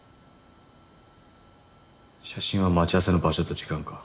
写真は待ち合わせの場所と時間か。